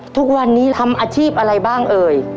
ทุกวันนี้ทำอาชีพอะไรบ้างเอ่ย